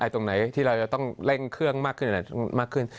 ตรงไหนที่เราจะต้องเร่งเครื่องมากขึ้นมากขึ้น